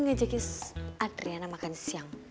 ngejakin adriana makan siang